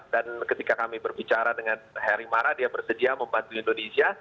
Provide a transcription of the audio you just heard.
dan ketika kami berbicara dengan harry mara dia bersedia membantu indonesia